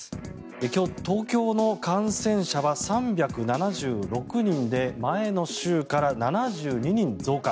今日、東京の感染者は３７６人で前の週から７２人増加。